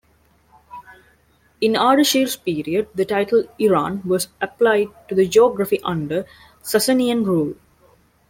In Ardashir's period, the title "Iran" was applied to the geography under Sasanian rule.